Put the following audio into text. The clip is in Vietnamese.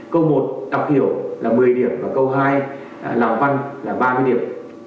câu một đọc hiểu là một mươi điểm và câu hai lào văn là ba mươi điểm